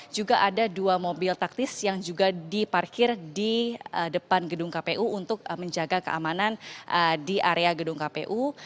juga ada dua mobil taktis yang juga diparkir di depan gedung kpu untuk menjaga keamanan di area gedung kpu